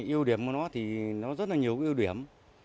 yêu điểm của nó thì nó rất là nhiều cái ưu điểm